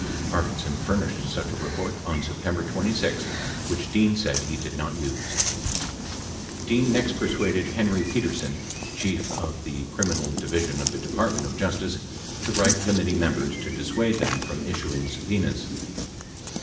Parkinson furnished such a report on September 26, which Dean said he did not use. Dean next persuaded Henry Petersen, Chief of the Criminal Divi sion of the Department of Justice, to write committee members to dissuade them from issuing subpenas.